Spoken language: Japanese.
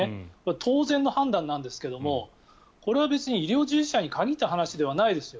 当然の判断なんですがこれは別に医療従事者に限った話ではないですよ。